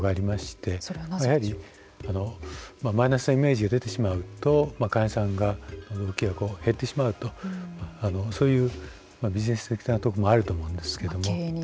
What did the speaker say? やはりマイナスなイメージが出てしまうと患者さんが契約が減ってしまうとそういうビジネス的なところもあると思うんですけれども。